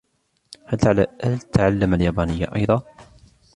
هل تَعَلَمَ اليابانية أيضاً ؟